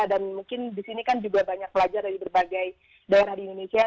dan mungkin di sini kan juga banyak pelajar dari berbagai daerah di indonesia